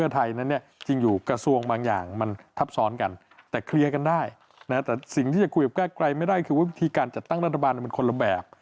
แต่เคลียร์กันได้แต่สิ่งที่จะคุยกับแก้ไกรไม่ได้คือว่าวิธีการจัดตั้งรัฐบาลมันคนละแบบ